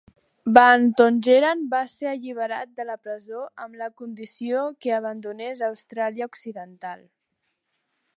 Van Tongeren va ser alliberat de la presó amb la condició que abandonés Austràlia Occidental.